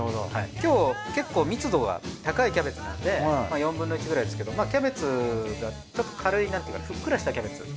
今日結構密度が高いキャベツなんで４分の１くらいですけどキャベツがちょっと軽いふっくらしたキャベツ。